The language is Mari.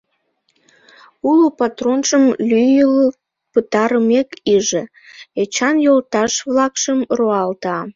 Уло патронжым лӱйылт пытарымек иже, Эчан йолташ-влакшым руалта.